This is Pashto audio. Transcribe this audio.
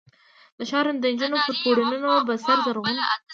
د ښار دنجونو پر پوړونو به، سره زرغونه،